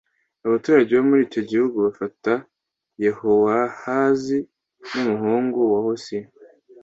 abaturage bo muri icyo gihugu bafata Yehowahazi n umuhungu wa Yosiya